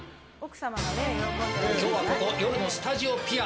今日はここ夜のスタジオピア